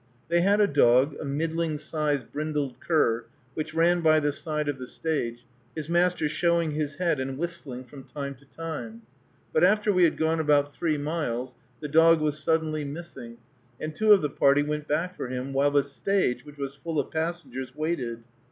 They had a dog, a middling sized brindled cur, which ran by the side of the stage, his master showing his head and whistling from time to time; but after we had gone about three miles the dog was suddenly missing, and two of the party went back for him, while the stage, which was full of passengers, waited.